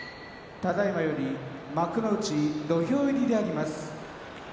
ただいまより幕内土俵入りであります。